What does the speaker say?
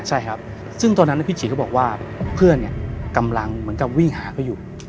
ใช่ครับซึ่งตอนนั้นพี่ฉีดก็บอกว่าเพื่อนกำลังเหมือนกับวิ่งหาเขาอยู่